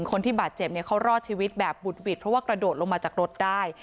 คนที่บาดเจ็บเนี่ยเขารอดชีวิตแบบบุดหวิดเพราะว่ากระโดดลงมาจากรถได้